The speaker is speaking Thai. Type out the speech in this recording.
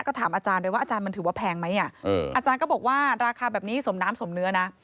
ก็ถามอาจารย์ไปว่าอาจารย์มันถือว่าแพงไหมอาจารย์ก็บอกว่าราคาแบบนี้สมน้ำสมเนื้อนะ